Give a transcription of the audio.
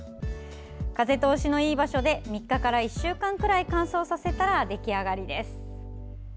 風通しのいい場所で３日から１週間くらい乾燥させたら出来上がりです。